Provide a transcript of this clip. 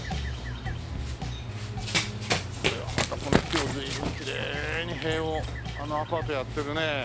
これはまたこの木を随分きれいに塀をあのアパートやってるね。